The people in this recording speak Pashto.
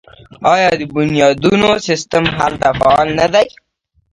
آیا د بنیادونو سیستم هلته فعال نه دی؟